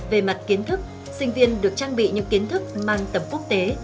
về mặt kiến thức sinh viên được trang bị những kiến thức mang tầm quốc tế